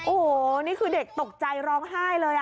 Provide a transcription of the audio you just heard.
โอ้โหนี่คือเด็กตกใจร้องไห้เลย